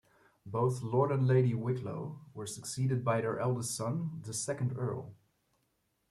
Both Lord and Lady Wicklow were succeeded by their eldest son, the second Earl.